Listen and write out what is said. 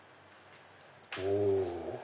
お！